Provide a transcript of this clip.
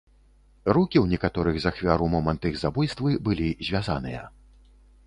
Рукі ў некаторых з ахвяр у момант іх забойствы былі звязаныя.